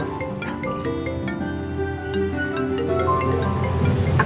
bisa nggak telepon sebentar pak